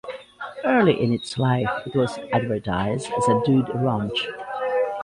Early in its life, it was advertised as a dude ranch.